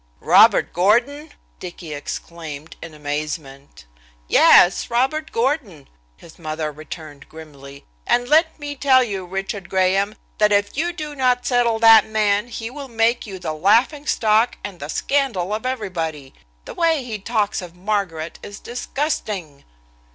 "Robert Gordon!" Dicky exclaimed in amazement. "Yes, Robert Gordon!" his mother returned grimly. "And let me tell you, Richard Graham, that if you do not settle that man he will make you the laughing stock and the scandal of everybody. The way he talks of Margaret is disgusting."